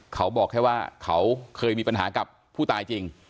เขาบอกแค่ว่าเขาเคยมีปัญหากับผู้ตายจริง